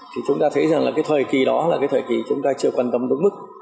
thì chúng ta thấy rằng là cái thời kỳ đó là cái thời kỳ chúng ta chưa quan tâm đúng mức